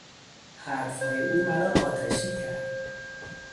حرفهای او مرا آتشی کرد.